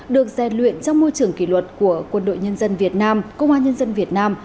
được rèn luyện trong môi trường kỷ luật của quân đội nhân dân việt nam công an nhân dân việt nam